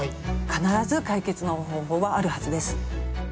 必ず解決の方法はあるはずです。